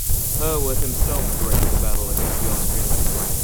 Herwarth himself directed the battle against the Austrian left flank.